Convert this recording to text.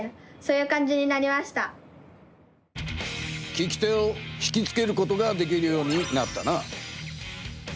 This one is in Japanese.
聞き手を引きつけることができるようになったな。